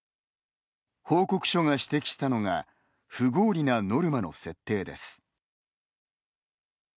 報告書が指摘したのが不合理なノルマの設定です。